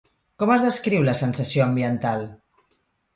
Com es descriu la sensació ambiental?